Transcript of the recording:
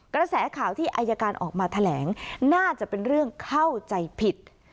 กระแสข่าวที่อายการออกมาแถลงน่าจะเป็นเรื่องเข้าใจผิด